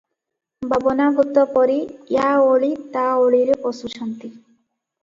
ବାବନାଭୂତ ପରି ୟା ଓଳି ତା ଓଳିରେ ପଶୁଛନ୍ତି ।